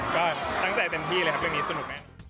ก็ตั้งใจเต็มที่เลยครับเรื่องนี้สนุกมาก